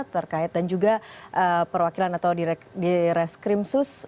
terkait dan juga perwakilan atau direskrim sus